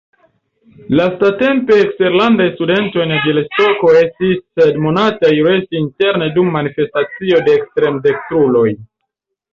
Lastatempe eksterlandaj studentoj en Bjalistoko estis admonataj resti interne dum manifestacio de ekstremdekstruloj.